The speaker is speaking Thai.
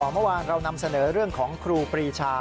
เมื่อวานเรานำเสนอเรื่องของครูปรีชา